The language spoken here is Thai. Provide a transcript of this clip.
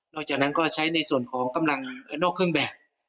หลังจากนั้นก็ใช้ในส่วนของกำลังนอกเครื่องแบบ